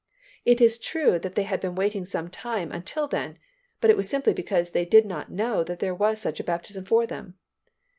It is true that they had been waiting some time until then, but it was simply because they did not know that there was such a baptism for them.